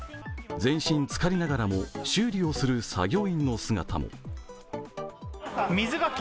全身つかりながらも修理をする作業員の姿も。